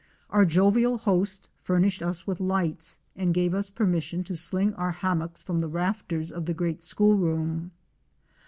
Our jovial host furnished us with lights, and gave us permission to sling our hammocks from the rafters of the great school room.